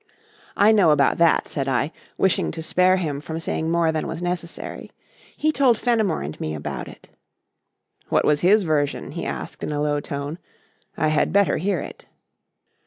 "I know about that," said I, wishing to spare him from saying more than was necessary. "He told Fenimore and me about it." "What was his version?" he asked in a low tone. "I had better hear it."